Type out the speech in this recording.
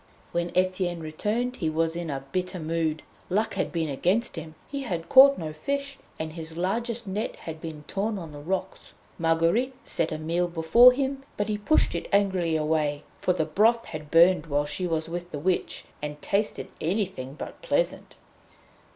When Etienne returned he was in a bitter mood. Luck had been against him; he had caught no fish, and his largest net had been torn on the rocks. Marguerite set a meal before him, but he pushed it angrily away; for the broth had burned while she was with the Witch, and tasted anything but pleasant.